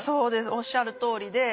おっしゃるとおりで。